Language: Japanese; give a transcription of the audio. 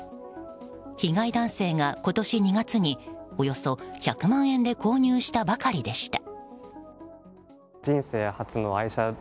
被害男性が今年２月におよそ１００万円で購入したばかりでした。